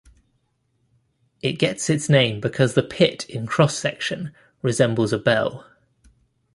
It gets its name because the pit in cross section resembles a bell.